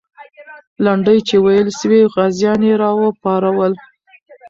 لنډۍ چې ویلې سوې، غازیان یې راوپارول.